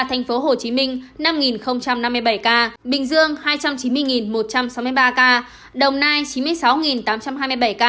thành phố hồ chí minh năm năm mươi bảy ca bình dương hai trăm chín mươi một trăm sáu mươi ba ca đồng nai chín mươi sáu tám trăm hai mươi bảy ca